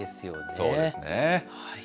そうですね。